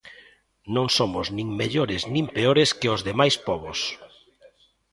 Non somos nin mellores nin peores que os demais pobos.